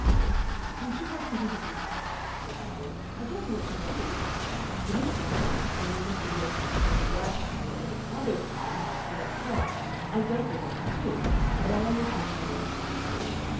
"Won't you have something to eat?" said Margaret. "I don't know what to do. It isn't my house, and though Mr. Wilcox would have been glad to see you at any other time as I say, I don't know what to do, but I undertake to do what I can for you.